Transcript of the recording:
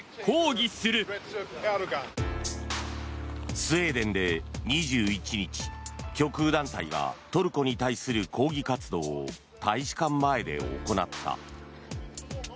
スウェーデンで２１日極右団体がトルコに対する抗議活動を大使館前で行った。